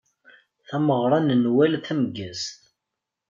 Tameɣṛa n Nwal tameggazt.